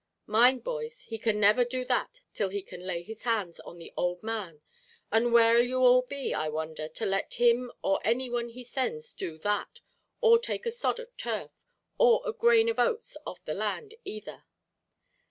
Mind, boys, he can never do that till he can lay his hands on the owld man; and where'll you all be, I wonder, to let him or any one he sends do that, or take a sod of turf, or a grain of oats off the land either?"